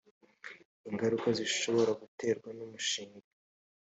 ingaruka zishobora guterwa n umushinga